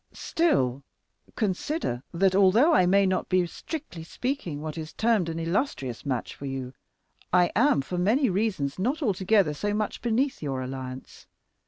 "Still, consider that although I may not be, strictly speaking, what is termed an illustrious match for you, I am, for many reasons, not altogether so much beneath your alliance.